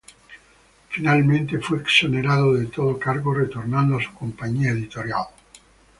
Finalmente fue exonerado de todo cargo retornando a su compañía editorial.